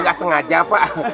ga sengaja pak